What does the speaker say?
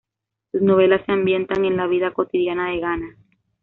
Sus novelas se ambientan en la vida cotidiana de Ghana.